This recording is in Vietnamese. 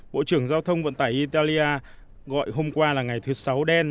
bộ trưởng giao thông vận tải italia gọi hôm qua là ngày thứ sáu đen